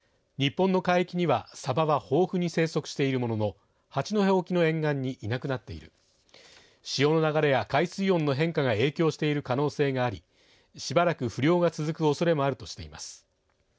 水産庁は、さばの不漁について日本の海域には、さばは豊富に生息しているものの八戸沖の沿岸にいなくなっている潮の流れや海水温の変化が影響している可能性がありしばらく不漁が続くおそれもあるとしています。